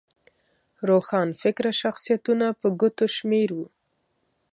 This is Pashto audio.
روښانفکره شخصیتونه په ګوتو شمېر وو.